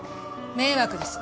迷惑です。